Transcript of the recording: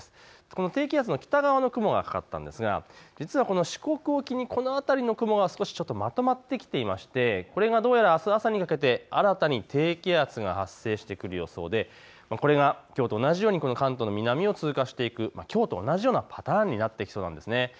この低気圧の北側の雲がかかったんですが実はこの四国沖にこの辺りの雲が少しちょっとまとまってきていましてこれがどうやらあす朝にかけて新たに低気圧が発生してくる予想で、これがきょうと同じように関東の南を通過していく、きょうと同じようなパターンになってきそうなんですね。